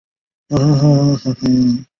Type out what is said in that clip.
拉卡佩尔博南克人口变化图示